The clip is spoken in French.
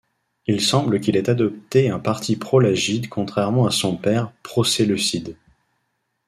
Il semble qu'il ait adopté un parti pro-lagide contrairement à son père, pro-séleucide.